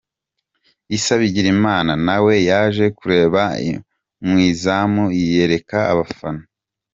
Issa Bigirimana nawe yaje kureba mu izamu yiyereka abafana.